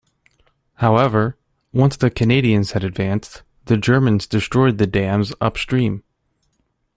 However, once the Canadians had advanced, the Germans destroyed the dams upstream.